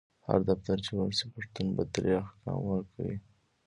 هر دفتر چی ورشي پشتون په دري احکام ورکوي